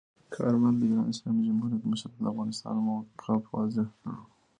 کارمل د ایران اسلامي جمهوریت مشر ته د افغانستان موقف واضح کړ.